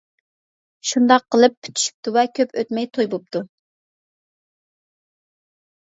شۇنداق قىلىپ پۈتۈشۈپتۇ ۋە كۆپ ئۆتمەي توي بوپتۇ.